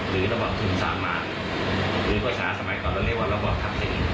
หรือระบอบทุนสามารถหรือภาษาสมัยก่อนเราเรียกว่าระบอบทักษิณ